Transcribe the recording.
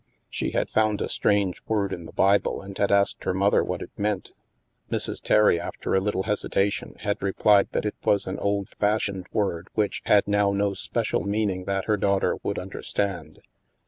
She had found a strange word in the Bible and had asked her mother what it meant. Mrs. Terry, after a little hesitation, had replied that it was an old fashioned word which had now no special meaning that her daughter would understand.